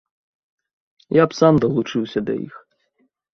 Я б сам далучыўся да іх!